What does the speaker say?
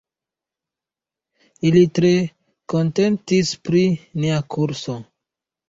Ili tre kontentis pri nia kurso.